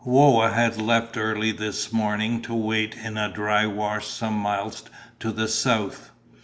Whoa had left early this morning to wait in a dry wash some miles to the south.